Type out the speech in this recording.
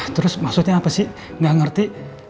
terus maksudnya apa sih nggak ngerti